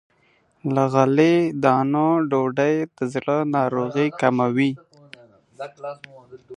له غلې- دانو ډوډۍ د زړه ناروغۍ خطر کموي.